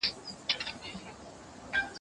زه اوږده وخت د سبا لپاره د ليکلو تمرين کوم